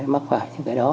mắc phải những cái đó